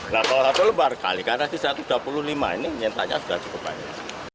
nah kalau satu lebar kali karena di satu ratus dua puluh lima ini nyetaknya sudah cukup banyak